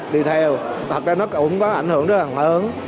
thì theo thật ra nó cũng có ảnh hưởng rất là lớn